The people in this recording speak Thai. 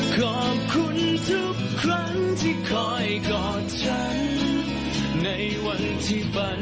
ถ้าจมเข้ามาใส่